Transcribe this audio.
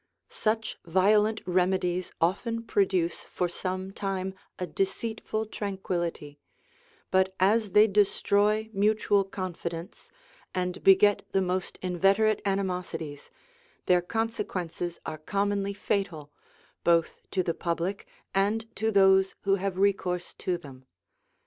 Such violent remedies often produce for some time a deceitful tranquillity; but as they destroy mutual confidence, and beget the most inveterate animosities, their consequences are commonly fatal, both to the public and to those who have recourse to them.